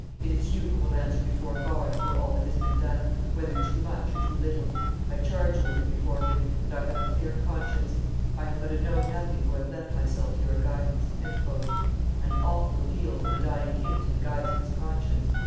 It is you who will answer before God for all that has been done, whether too much or too little. I charge you with it before Him, and I have a clear conscience. I am but a know nothing who have left myself to your guidance." An awful appeal from a dying king to the guides of his conscience.